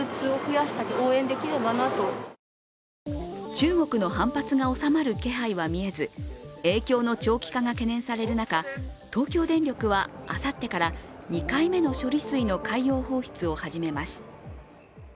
中国の反発が収まる気配は見えず、影響の長期化が懸念される中、東京電力はあさってから２回目の処理水の海洋放出を始めます。